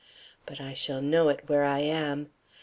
But I shall know it where I am.